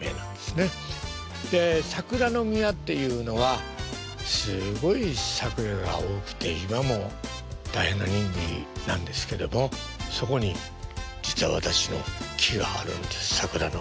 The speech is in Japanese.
で桜の宮っていうのはすごい桜が多くて今も大変な人気なんですけどもそこに実は私の木があるんです桜の。